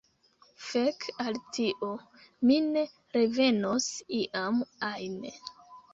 Fek al tio, mi ne revenos iam ajn!